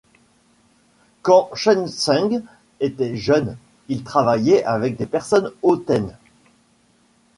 Quand Chen Sheng était jeune, il travaillait avec des personnes hautaines.